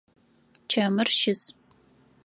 Чэмыр щыс.